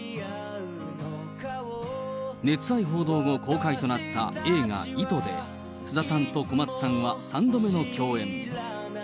熱愛報道後、公開となった映画、糸で、菅田さんと小松さんは３度目の共演。